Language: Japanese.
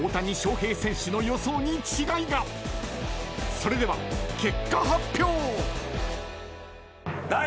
［それでは結果発表！］